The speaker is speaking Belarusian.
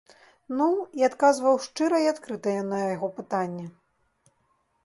Ну, і адказваў шчыра і адкрыта на яго пытанні.